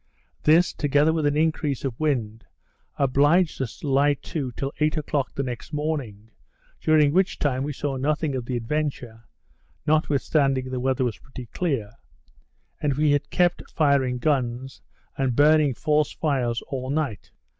This, together, with an increase of wind, obliged us to lie to till eight o'clock the next morning, during which time we saw nothing of the Adventure, notwithstanding the weather was pretty clear, and we had kept firing guns, and burning false fires, all night.